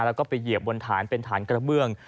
แล้วก็ไปเหยียบบนฐานเป็นฐานกระเบื้อง